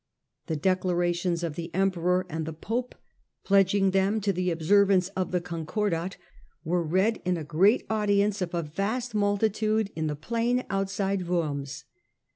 The declarations of the emperor and the pope, pledging them to the observance of the concordat, were read in the audience of a vast multitude in the plain outside Worms.